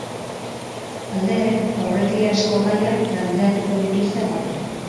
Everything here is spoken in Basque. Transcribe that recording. Aldeek aurretiazko gaiak planteatuko dituzte gaur.